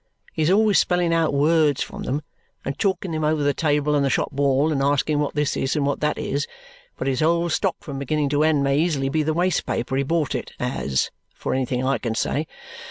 He is always spelling out words from them, and chalking them over the table and the shop wall, and asking what this is and what that is; but his whole stock from beginning to end may easily be the waste paper he bought it as, for anything I can say.